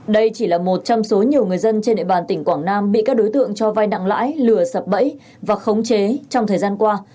đây chỉ là một trong số nhiều người dân trên địa bàn tỉnh quảng nam bị các đối tượng cho vai nặng lãi lừa sập bẫy và khống chế trong thời gian qua